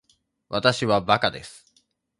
わたしはバカです